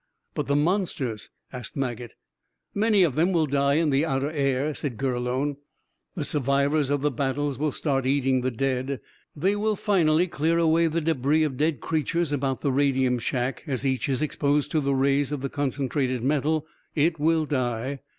"But the monsters?" asked Maget. "Many of them will die in the outer air," said Gurlone. "The survivors of the battles will start eating the dead. They will finally clear away the debris of dead creatures about the radium shack. As each is exposed to the rays of the concentrated metal, it will die.